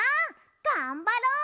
がんばろう！